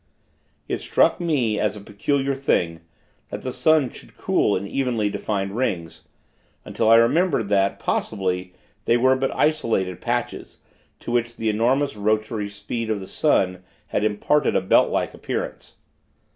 It struck me, as a peculiar thing, that the sun should cool in evenly defined rings; until I remembered that, possibly, they were but isolated patches, to which the enormous rotatory speed of the sun had imparted a belt like appearance.